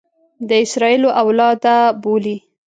د اسراییلو اولاده بولي.